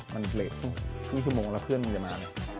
มันเกรด๒๐ชั่วโมงแล้วเพื่อนมันจะมา